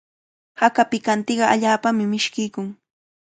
Haka pikantiqa allaapami mishkiykun.